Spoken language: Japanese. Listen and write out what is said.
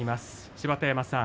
芝田山さん